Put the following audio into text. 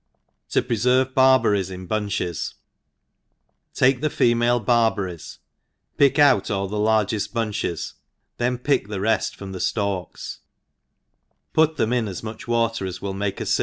1^0 preferve Barberries in Bunches. TAKE the female barberries, pick out all the largeft bunches, then pick the reft from the ftalks, put them in as much water as will make 4 fy.